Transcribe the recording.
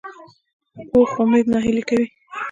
پوخ امید ناهیلي نه کوي